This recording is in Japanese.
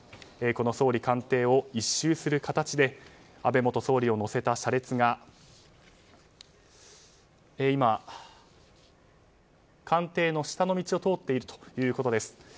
この総理官邸を１周する形で安倍元総理を乗せた車列が今、官邸の下の道を通っているということです。